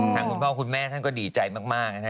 ทางคุณพ่อคุณแม่ท่านก็ดีใจมาก